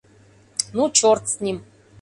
Ну, черт с ним.